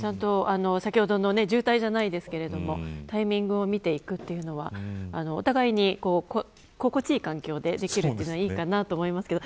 先ほどの渋滞じゃないですけどタイミングを見て行くというのはお互いに心地いい環境でできるというのはいいかなと思いますけど。